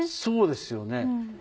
そうですよね。